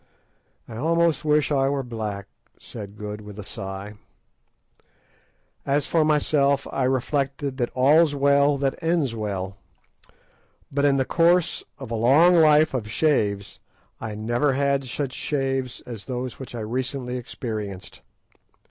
"I almost wish I were back," said Good, with a sigh. As for myself, I reflected that all's well that ends well; but in the course of a long life of shaves, I never had such shaves as those which I had recently experienced.